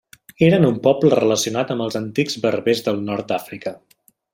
Eren un poble relacionat amb els antics berbers del nord d'Àfrica.